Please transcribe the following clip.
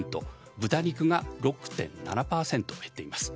豚肉が６．７％減っています。